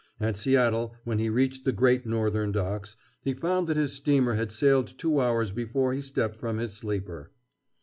At Seattle, when he reached the Great Northern docks, he found that his steamer had sailed two hours before he stepped from his sleeper.